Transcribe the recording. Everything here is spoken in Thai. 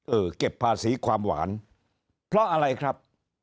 เก็บภาษีความหวานเพราะอะไรครับ